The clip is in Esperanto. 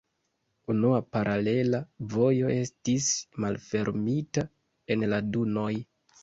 Unua paralela vojo estis malfermita en la dunoj.